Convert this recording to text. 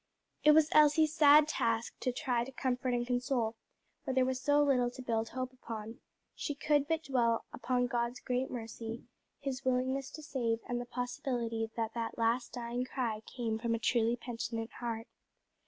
It was Elsie's sad task to try to comfort and console where there was little to build hope upon: she could but dwell upon God's great mercy, his willingness to save, and the possibility that that last dying cry came from a truly penitent heart.